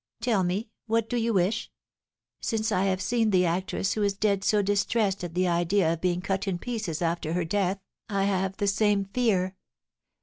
"Tell me, what do you wish?" "Since I have seen the actress who is dead so distressed at the idea of being cut in pieces after her death, I have the same fear.